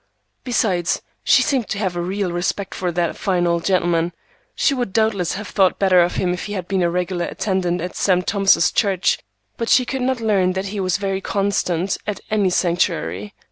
Besides, she seemed to have a real respect for that fine old gentleman. She would doubtless have thought better of him if he had been a regular attendant at St. Thomas's Church, but she could not learn that he was very constant at any sanctuary.